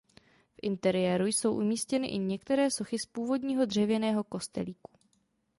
V interiéru jsou umístěny i některé sochy z původního dřevěného kostelíku.